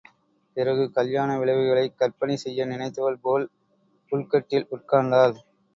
பிறகு கல்யாண விளைவுகளைக் கற்பனை செய்ய நினைத்தவள்போல் புல்கட்டில் உட்கார்ந்தாள்.